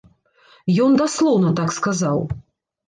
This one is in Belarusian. Ён даслоўна так сказаў.